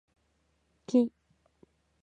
木